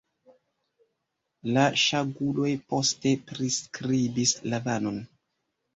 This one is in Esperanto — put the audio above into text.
La saĝuloj poste priskribis Lavanon.